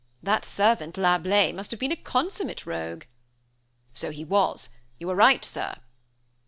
That servant, Lablais, must have been a consummate rogue!" "So he was; you are right, Sir."